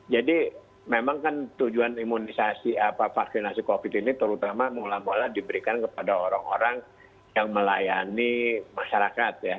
jadi memang kan tujuan imunisasi vaksinasi covid ini terutama mula mula diberikan kepada orang orang yang melayani masyarakat ya